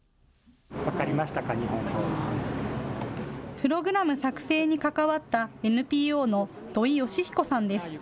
プログラム作成に関わったＮＰＯの土井佳彦さんです。